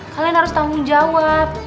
kalian harus tanggung jawab